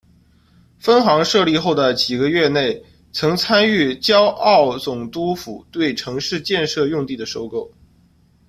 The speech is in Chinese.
分行设立后的几个月内曾参与胶澳总督府对城市建设用地的收购。